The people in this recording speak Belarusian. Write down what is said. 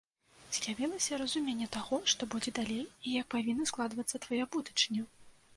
З'явілася разуменне таго, што будзе далей і як павінна складвацца твая будучыня?